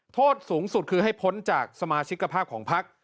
โทษสูงสุดคือให้พ้นจากสมาชิกภาพของพัก